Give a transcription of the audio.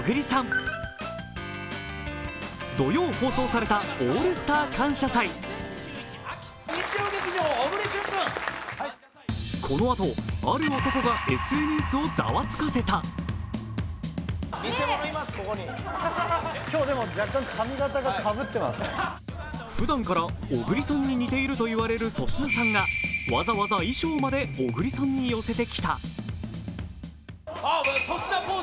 土曜放送された「オールスター感謝祭」ふだんから、小栗さんに似ているといわれる粗品さんがわざわざ衣装まで小栗さんに寄せてきた。